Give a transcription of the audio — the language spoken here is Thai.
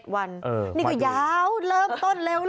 ๑๑วันนี่ก็ยาวเริ่มต้นเร็วละกัน